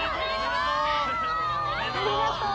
ありがとう。